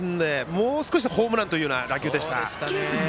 もう少しでホームランというような打球でした。